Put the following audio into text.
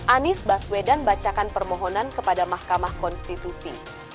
anies baswedan bacakan permohonan kepada mahkamah konstitusi